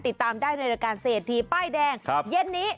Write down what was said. ติดตามได้ในรายการเศรษฐีป้ายแดงเย็นนี้